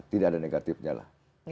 tidak ada negatifnya